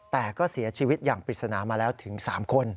แต่ก็เสียชีวิตอย่างปริศนามาแล้วถึง๓คน